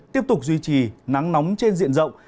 tiếp tục duy trì nắng nóng trên diện rộng